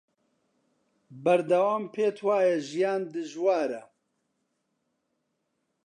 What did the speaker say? بەردەوام پێت وایە ژیان دژوارە